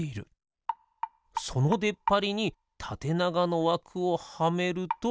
そのでっぱりにたてながのわくをはめると。